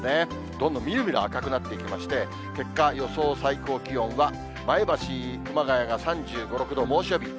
どんどん、みるみる赤くなっていきまして、結果、予想最高気温は前橋、熊谷が３５、６度、猛暑日。